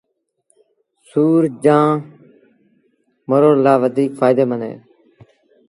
سُور جآݩ مروڙ لآ وڌيٚڪ ڦآئيٚدي مند اهي